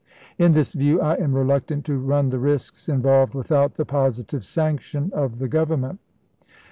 In this view I am reluctant to run the risks involved without the positive sanction of the Grovernment."